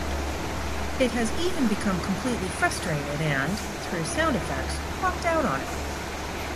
It has even become completely frustrated and, through sound effects, walked out on him.